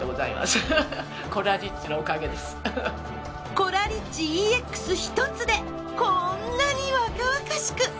コラリッチＥＸ１つでこんなに若々しく。